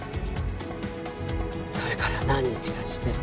それから何日かして。